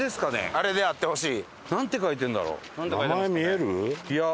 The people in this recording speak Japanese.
あれであってほしい。